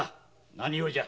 何用じゃ？